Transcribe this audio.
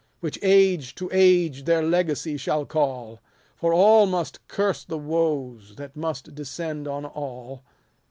260 "Which age to age their legacy shall call; For all must curse the woes that must descend on all.